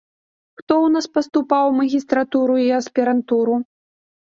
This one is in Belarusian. Хто ў нас паступаў у магістратуру і аспірантуру?